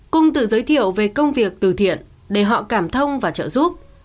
cùng tự giới thiệu về công việc từ thiện để họ cảm thông và trợ giúp